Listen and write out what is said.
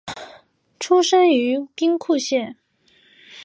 出身于兵库县。